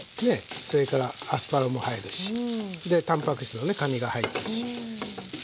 それからアスパラも入るしでたんぱく質のかにが入るし。